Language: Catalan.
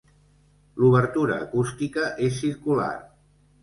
L'obertura acústica és circular.